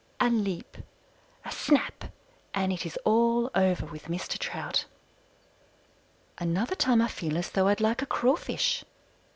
A leap, a snap, and it is all over with Mr. Trout. Another time I feel as though I'd like a crawfish.